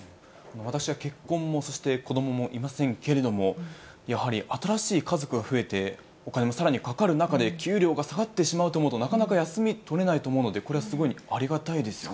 私は結婚も、そして子どももいませんけれども、やはり新しい家族が増えて、お金もさらにかかる中で、給料が下がってしまうと思うと、なかなか休み取れないと思うので、これはすごいありがたいですよね。